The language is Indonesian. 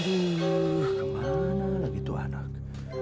aduh kemana lagi tuh anak